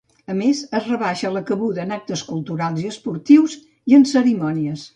A més, es rebaixa la cabuda en actes culturals i esportius i en cerimònies.